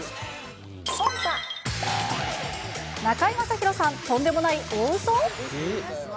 中居正広さん、とんでもない大うそ？